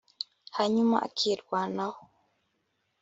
hanyuma akirwanaho